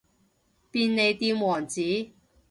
便利店王子